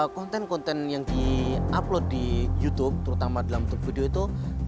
konten konten yang di upload di youtube terutama dalam video itu